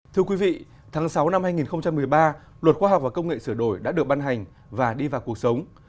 thưa quý vị tháng sáu năm hai nghìn một mươi ba luật khoa học và công nghệ sửa đổi đã được ban hành và đi vào cuộc sống